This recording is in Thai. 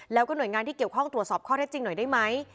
แล้วก็หน่วยงานที่เกี่ยวข้องตรวจสอบข้อเท็จจริงหน่อยได้ไหม